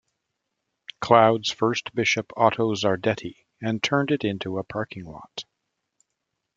Cloud's first Bishop Otto Zardetti, and turn it into a parking lot.